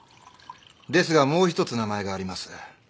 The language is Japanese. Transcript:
ですがもう一つ名前があります。